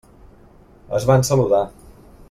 Es van saludar.